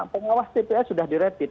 pengawas tps sudah direpit